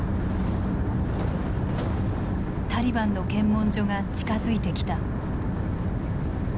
タリバンの検問所が近づいてきた。